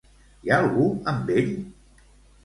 Hi ha algú amb ell?